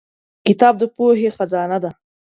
کتاب د پوهې خزانه ده.